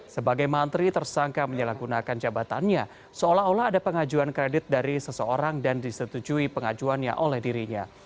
sebagai mantri tersangka menyalahgunakan jabatannya seolah olah ada pengajuan kredit dari seseorang dan disetujui pengajuannya oleh dirinya